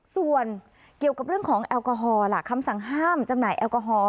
ส่วนเกี่ยวกับเรื่องของแอลกอฮอลล่ะคำสั่งห้ามจำหน่ายแอลกอฮอล